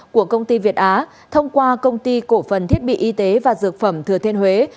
của công ty việt á thông qua công ty cổ phần thiết bị y tế và dược phẩm thừa thiên huế